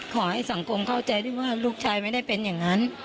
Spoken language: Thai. ขอให้สังคมเข้าใจด้วยว่าลูกชายไม่ได้เป็นอย่างนั้น